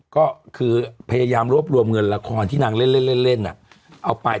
ก็คือพยายามรวบรวมเงินละครที่นางเล่นเอาไป